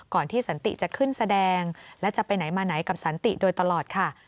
ที่สันติจะขึ้นแสดงและจะไปไหนมาไหนกับสันติโดยตลอดค่ะ